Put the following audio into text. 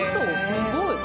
すごい！